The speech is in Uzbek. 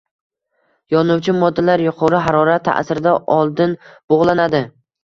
yonuvchi moddalar yuqori harorat ta’sirida oldin bug’lanadi